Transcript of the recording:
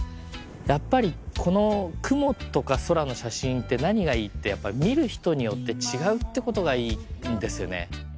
やっぱりこの雲とか空の写真って何がいいってやっぱり見る人によって違うってことがいいんですよね。